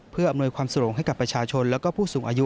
เพื่ออำนวยความสะดวกให้กับประชาชนและผู้สูงอายุ